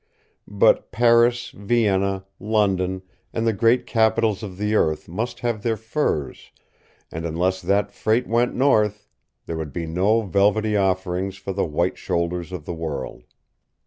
But Paris, Vienna, London, and the great capitals of the earth must have their furs and unless that freight went north, there would be no velvety offerings for the white shoulders of the world.